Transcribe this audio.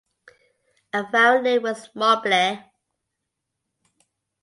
A variant name was "Mobley".